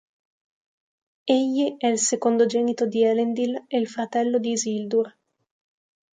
Egli è il secondogenito di Elendil e il fratello di Isildur.